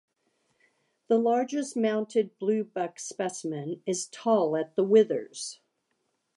The largest mounted bluebuck specimen is tall at the withers.